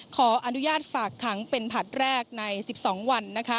ขออนุญาตฝากขังเป็นผลัดแรกใน๑๒วัน